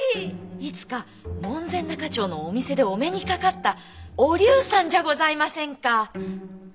いつか門前仲町のお店でお目にかかったおりうさんじゃございませんか！